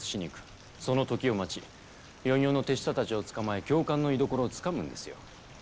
その時を待ち４４の手下たちを捕まえ教官の居所をつかむんですよ。